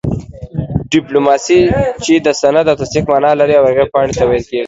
ډيپلوماسۍ چې د سند او تصديق مانا لري او هغې پاڼي ته ويل کيږي